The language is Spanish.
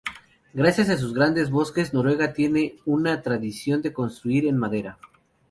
Gracias a sus grandes bosques, Noruega tiene una tradición de construir en madera.